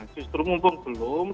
justru mumpung belum